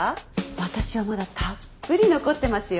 私はまだたっぷり残ってますよ。